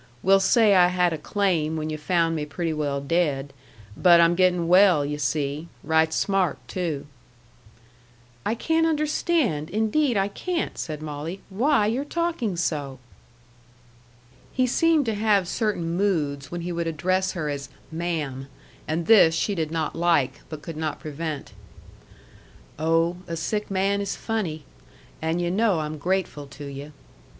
We'll say I had a claim when yu' found me pretty well dead, but I'm gettin' well, yu' see right smart, too!" "I can't understand, indeed I can't," said Molly, "why you're talking so!" He seemed to have certain moods when he would address her as "ma'am," and this she did not like, but could not prevent. "Oh, a sick man is funny. And yu' know I'm grateful to you."